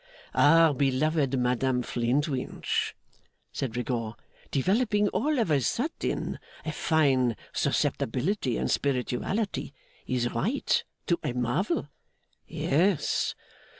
'Our beloved Madame Flintwinch,' said Rigaud, 'developing all of a sudden a fine susceptibility and spirituality, is right to a marvel. Yes.